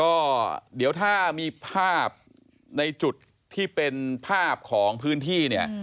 ก็เดี๋ยวถ้ามีภาพในจุดที่เป็นภาพของพื้นที่เนี่ย